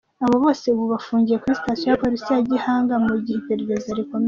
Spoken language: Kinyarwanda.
Aba bose ubu bafungiye kuri Sitasiyo ya Polisi ya Gihango mu gihe iperereza rikomeje.